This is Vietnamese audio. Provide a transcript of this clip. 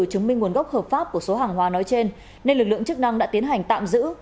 chứng minh nguồn gốc hợp pháp của số hàng hóa nói trên nên lực lượng chức năng đã tiến hành tạm giữ